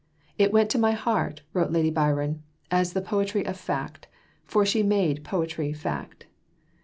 "It went into my heart," wrote Lady Byron, "as the poetry of fact for she has made poetry fact."